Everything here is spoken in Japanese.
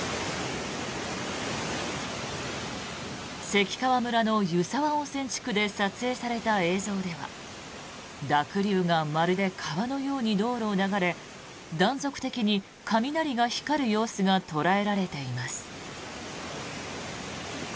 関川村の湯沢温泉地区で撮影された映像では濁流がまるで川のように道路を流れ断続的に雷が光る様子が捉えられています。